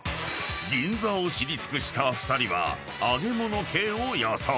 ［銀座を知り尽くした２人は揚げ物系を予想］